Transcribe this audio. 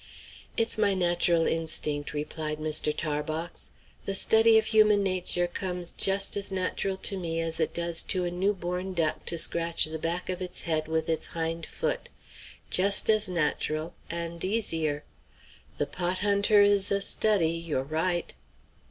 "It's my natural instinct," replied Mr. Tarbox. "The study of human nature comes just as natural to me as it does to a new born duck to scratch the back of its head with its hind foot; just as natural and easier. The pot hunter is a study; you're right."